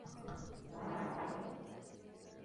En el Caribe el conflicto se conoció como guerra de Italia.